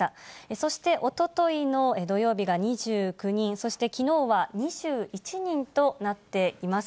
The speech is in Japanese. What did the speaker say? そして、おとといの土曜日が２９人、そしてきのうは２１人となっています。